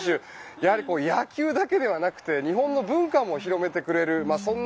やはり野球だけでなくて日本の文化も広めてくれるそんな